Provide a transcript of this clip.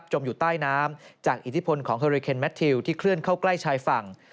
อยู่ใต้น้ำจากอิทธิพลของเฮอริเคนแมททิวที่เคลื่อนเข้าใกล้ชายฝั่ง